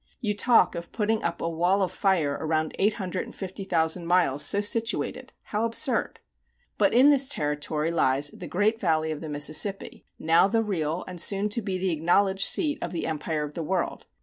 You talk of putting up a wall of fire around eight hundred and fifty thousand miles so situated! How absurd. But in this territory lies the great valley of the Mississippi, now the real and soon to be the acknowledged seat of the empire of the world.